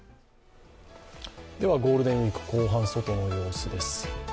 ゴールデンウイーク後半外の様子です。